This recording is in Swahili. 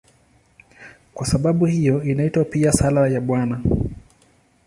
Kwa sababu hiyo inaitwa pia "Sala ya Bwana".